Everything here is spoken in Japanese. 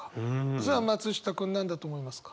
さあ松下君何だと思いますか？